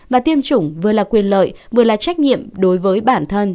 và tiêm chủng vừa là quyền lợi vừa là trách nhiệm đối với bản thân